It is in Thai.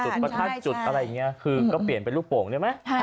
จุดประทับจุดอะไรอย่างเงี้ยคือก็เปลี่ยนเป็นลูกโป่งใช่ไหมค่ะ